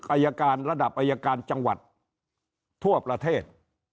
อายการระดับอายการจังหวัดทั่วประเทศ